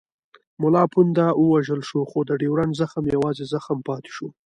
ملا پونده ووژل شو خو د ډیورنډ زخم یوازې زخم پاتې شو.